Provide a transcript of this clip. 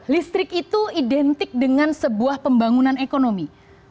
listrik itu identik dengan sebuah pembangunan ekonomi